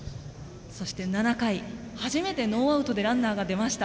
そして、７回初めてノーアウトでランナーが出ました。